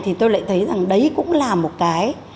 thì tôi lại thấy rằng đấy cũng là một cái